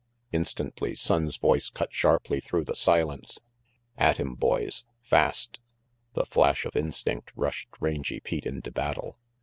Instantly Sonnes' voice cut sharply through the silence. RANGY PETE 343 "At him boys! Fast!" The flash of instinct rushed Rangy Pete into battle.